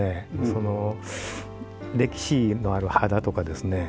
その歴史のある肌とかですね